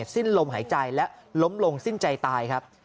สิ้นลมหายใจและล้มลงสิ้นใจตายครับ